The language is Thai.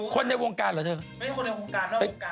คนในวงการเหรอเสร็จมั้ย